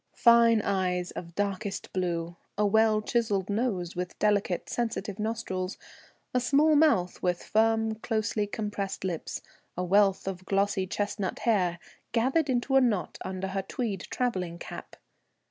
Fine eyes of darkest blue, a well chiseled nose with delicate, sensitive nostrils, a small mouth with firm closely compressed lips, a wealth of glossy chestnut hair, gathered into a knot under her tweed travelling cap.